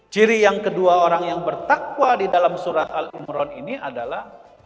ciri yang kedua orang yang bertakwa di dalam surat al imron ini adalah